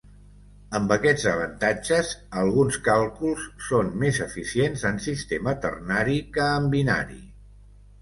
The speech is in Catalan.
Amb aquests avantatges, alguns càlculs són més eficients en sistema ternari que en binari.